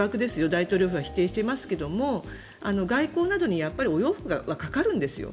大統領府は否定していますが外交などにお洋服はかかるんですよ。